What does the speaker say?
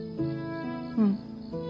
うん。